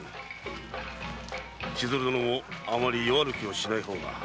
千鶴殿もあまり夜歩きをしないほうが。